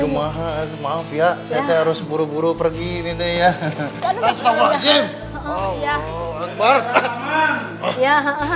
maaf ya harus buru buru pergi ini deh ya ya sokatu tenang mangga